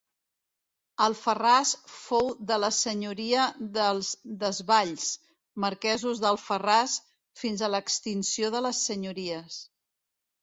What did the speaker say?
Alfarràs fou de la senyoria dels Desvalls, marquesos d'Alfarràs, fins a l'extinció de les senyories.